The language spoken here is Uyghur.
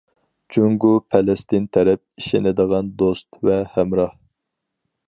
جۇڭگو پەلەستىن تەرەپ ئىشىنىدىغان دوست ۋە ھەمراھ.